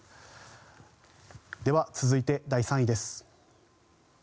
では、続いて第３位です。